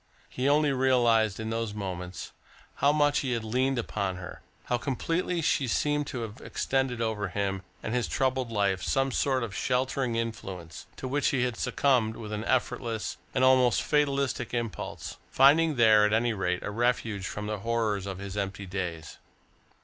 He only realised in those moments how much he had leaned upon her, how completely she seemed to have extended over him and his troubled life some sort of sheltering influence, to which he had succumbed with an effortless, an almost fatalistic impulse, finding there, at any rate, a refuge from the horrors of his empty days.